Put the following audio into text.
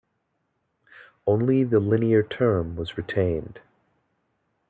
Only the linear term was retained.